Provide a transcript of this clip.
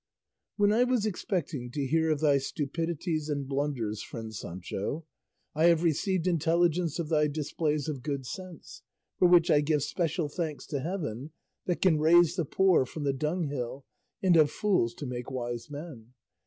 When I was expecting to hear of thy stupidities and blunders, friend Sancho, I have received intelligence of thy displays of good sense, for which I give special thanks to heaven that can raise the poor from the dunghill and of fools to make wise men.